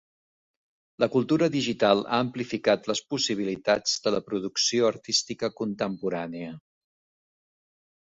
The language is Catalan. La cultura digital ha amplificat les possibilitats de la producció artística contemporània.